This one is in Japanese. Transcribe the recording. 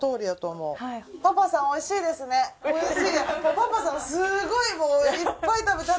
パパさんすごい。